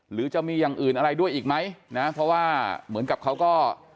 หรือจะมีอย่างอื่นอะไรด้วยอีกไหมนะเพราะว่าเหมือนกับเขาก็